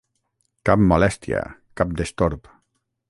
Cap molèstia, cap destorb.